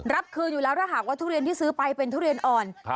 รับคืนอยู่แล้วถ้าหากว่าทุเรียนที่ซื้อไปเป็นทุเรียนอ่อน